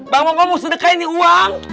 bang mongol mau sedekahin ini uang